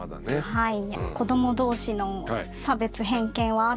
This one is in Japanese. はい。